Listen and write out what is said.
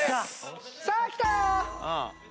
さあ来たよ！